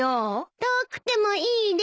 遠くてもいいです。